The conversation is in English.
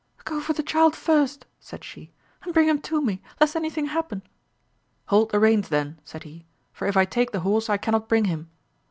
Go for the child first, said she, and bring him to me, lest any thing happen. Hold the reins, then, said he, for if I take the horse I cannot bring him.